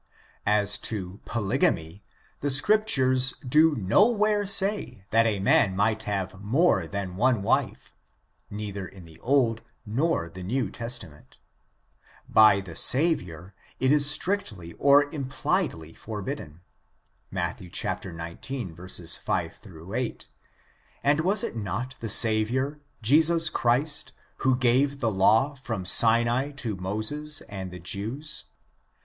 As to polygamy, the Scriptures do no where say that a man might have more than one wife, neither in the Old nor the New Testament. By the Savior, it is strictly or impliedly forbidden, Matt, xix, 5 — 8; and was it not the Savior, Jesus Christ, who gave tho law from Sinai to Moses and the Jews?